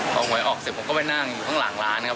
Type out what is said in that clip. พอหวยออกเสร็จผมก็ไปนั่งอยู่ข้างหลังร้านครับ